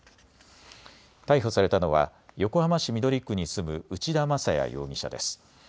逮捕されたのは横浜市緑区に住む内田正也容疑者です。